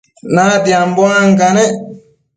natianbo ancanec